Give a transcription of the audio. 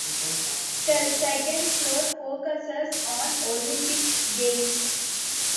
The second floor focuses on Olympic Games.